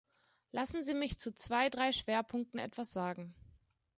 Lassen Sie mich zu zwei, drei Schwerpunkten etwas sagen.